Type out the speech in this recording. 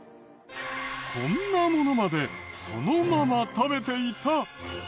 こんなものまでそのまま食べていた！